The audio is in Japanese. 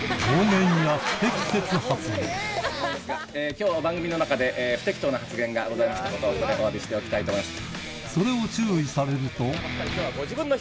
きょうは番組の中で、不適当な発言がございましたことをここでおわびしておきたいと思います。